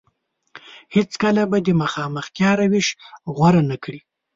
هېڅ کله به د مخامختيا روش غوره نه کړي.